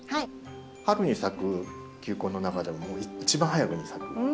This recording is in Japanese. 春に咲く球根の中でも一番早くに咲く。